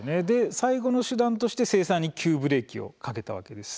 最後の手段として、生産に急ブレーキをかけたわけです。